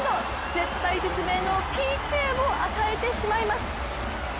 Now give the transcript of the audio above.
絶体絶命のＰＫを与えてしまいます。